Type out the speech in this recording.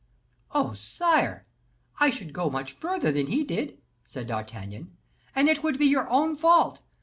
"Oh! sire! I should go much further than he did," said D'Artagnan; "and it would be your own fault.